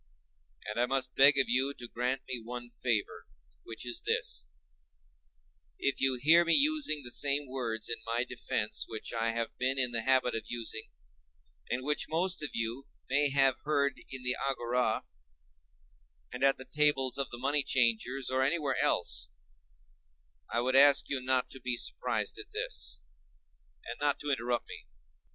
And I must beg of you to grant me one favor, which is this—if you hear me using the same words in my defence which I have been in the habit of using, and which most of you may have heard in the agora, and at the tables of the money changers, or anywhere else, I would ask you not to be surprised at this, and not to interrupt me.